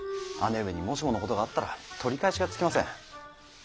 姉上にもしものことがあったら取り返しがつきません。